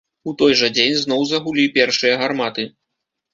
У той жа дзень зноў загулі першыя гарматы.